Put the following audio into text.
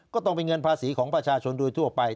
ก็ต้องเป็นเงินภาษีของประชาชนโดยทั่วไป